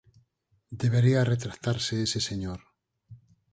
Debería retractarse ese señor.